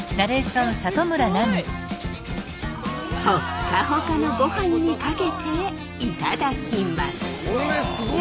ほっかほかのごはんにかけていただきます。